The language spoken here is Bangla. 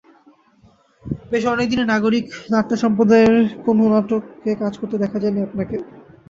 বেশ অনেক দিনই নাগরিক নাট্যসম্প্রদায়ের কোনো নাটকে কাজ করতে দেখা যায়নি আপনাকে।